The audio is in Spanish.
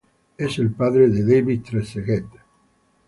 Es el padre de David Trezeguet.